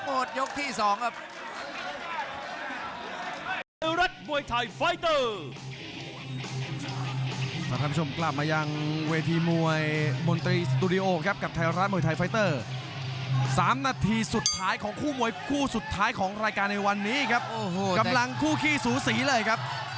โอ้หุ้นที่ผมที่เกี่ยวตอนล่างไม่ลงครับ